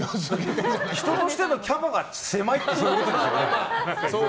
人としてのキャパが狭いってことですよね。